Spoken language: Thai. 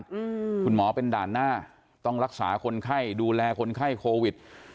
อืมคุณหมอเป็นด่านหน้าต้องรักษาคนไข้ดูแลคนไข้โควิด